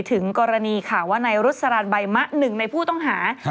ถึงกรณีข่าวว่าไนฮบัยมะ๑ในผู้ต้องหา